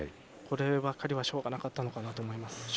こればかりはしょうがなかったのかなと思います。